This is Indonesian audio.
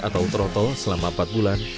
atau troto selama empat bulan